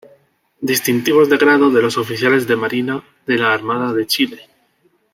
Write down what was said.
Distintivos de grado de los Oficiales de Marina de la Armada de Chile